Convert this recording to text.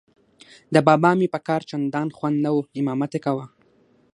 د بابا مې په کار چندان خوند نه و، امامت یې کاوه.